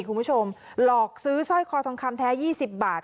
คุณผู้ชมหลอกซื้อซ่อยคอทองคำแท้ยี่สิบบาท